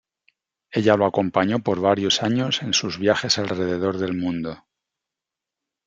Ella lo acompañó por varios años en sus viajes alrededor del mundo.